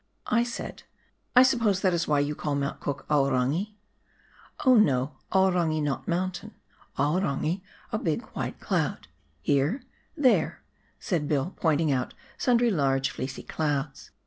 I said, "I suppose that is why you call Mount Cook Aorangi ?"" Oh, no ; Aorangi not mountain, Aorangi a big, white cloud, here — there —" said Bill, pointing out sundry large, fleecy clouds.